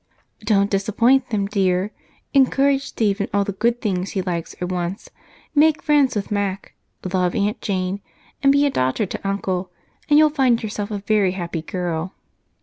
"Don't disappoint them, dear. Encourage Steve in all the good things he likes or wants, make friends with Mac, love Aunt Jane, and be a daughter to Uncle, and you'll find yourself a very happy girl."